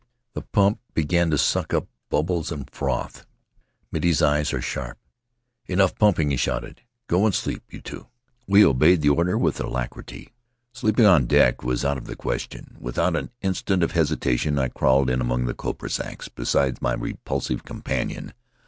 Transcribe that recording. The pump began to suck up bubbles and froth. Miti's eyes are sharp. ''' Enough pumping,' he shouted. ' Go and sleep, you two!' "We obeyed the order with alacrity. Sleeping on deck was out of the question; without an instant of hesitation I crawled in among the copra sacks beside my repulsive companion.